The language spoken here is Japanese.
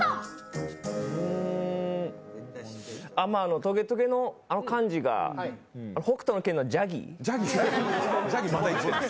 とげとげのあの感じが「北斗の拳」のジャギー？